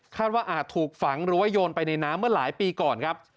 ว่าอาจถูกฝังหรือว่าโยนไปในน้ำเมื่อหลายปีก่อนครับ